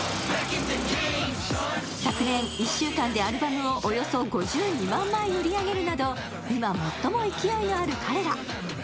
昨年、１週間でアルバムをおよそ５２万枚を売り上げるなど今、最も勢いのある彼ら。